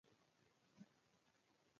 زغم د ګډ ژوند راز دی.